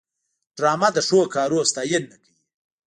ډرامه د ښو کارونو ستاینه کوي